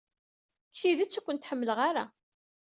Deg tidet, ur kent-ḥemmleɣ ara.